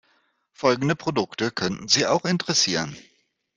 Folgende Produkte könnten Sie auch interessieren.